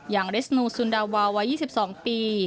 เรสมูซุนดาวาวัย๒๒ปี